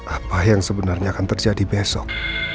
apa yang sebenarnya akan terjadi besok